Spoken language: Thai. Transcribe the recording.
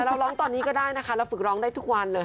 เราร้องตอนนี้ก็ได้นะคะเราฝึกร้องได้ทุกวันเลย